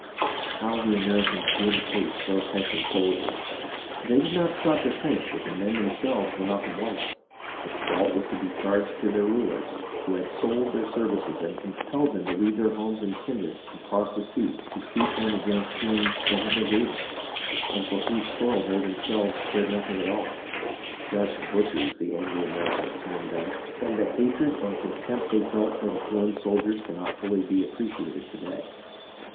How the Americans did hate those Hessian soldiers ! They did not stop to think that the men themselves were not to blame, but the fault was to be charged to their rulers, who had sold their services and compelled them to leave their homes and kindred and cross the sea to shoot men against whom they had no grievance, and for whose quarrel they themselves cared nothing at all. " Dutch butchers " the angry Americans termed them, and the hatred and contempt they felt for the foreign soldiers cannot be fully appreciated to day.